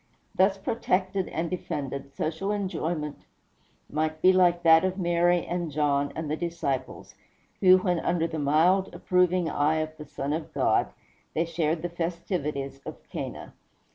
Thus protected and defended, social enjoyment might be like that of Mary and John, and the disciples, when, under the mild, approving eye of the Son of God, they shared the festivities of Cana.